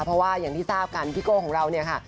เพราะว่าอย่างที่ทราบกันพี่โก้ของเราเนี่ยค่ะ